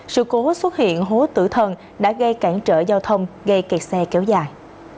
sự cố xuất hiện hố tử thần đã gây cản trở giao thông gây kẹt xe kéo dài